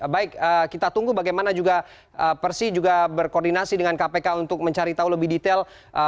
baik kita tunggu bagaimana juga persi juga berkoordinasi dengan kpk untuk mencari tahu lebih detail